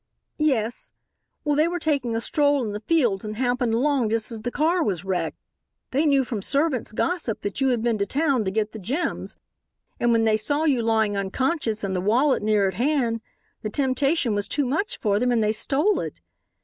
"Yes. Well, they were taking a stroll in the fields and happened along just as the car was wrecked. They knew from servants' gossip that you had been to town to get the gems and when they saw you lying unconscious and the wallet near at hand, the temptation was too much for them and they stole it.